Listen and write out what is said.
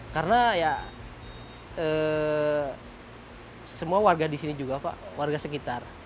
karena ya semua warga di sini juga pak warga sekitar